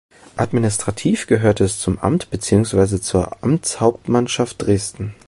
Administrativ gehörte es zum Amt beziehungsweise zur Amtshauptmannschaft Dresden.